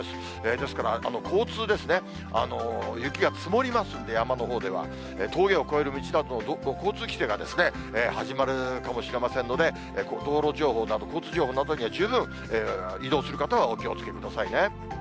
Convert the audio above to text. ですから交通ですね、雪が積もりますんで、山のほうでは、峠を越える道などの交通規制が始まるかもしれませんので、道路情報、交通情報などに十分、移動する方はお気をつけくださいね。